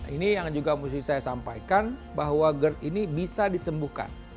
ini yang juga mesti saya sampaikan bahwa gerd ini bisa disembuhkan